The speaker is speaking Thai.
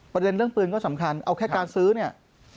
ประเด็นเรื่องปืนก็สำคัญเอาแค่การซื้อเนี่ย